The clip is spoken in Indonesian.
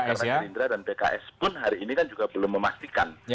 karena gerindra dan pks pun hari ini kan juga belum memastikan